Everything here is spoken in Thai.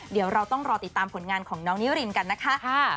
เดี๋ยวเราต้องรอติดตามผลงานของน้องนิรินกันนะคะ